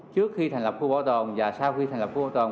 trước khi thành lập khu bảo tồn và sau khi thành lập khu bảo tồn